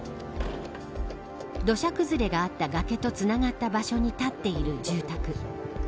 土砂崩れがあった崖とつながった場所に立っている住宅。